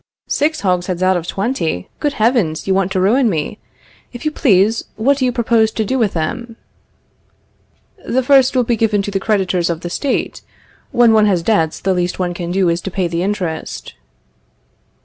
Six hogsheads out of twenty! Good heavens! You want to ruin me. If you please, what do you propose to do with them? The first will be given to the creditors of the State. When one has debts, the least one can do is to pay the interest.